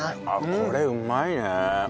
これうまいね。